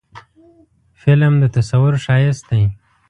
فلم د تصور ښایست دی